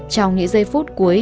trong những giây phút cuối